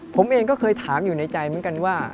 ผมเองก็เคยถามอยู่ในใจเหมือนกันว่า